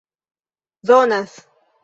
donas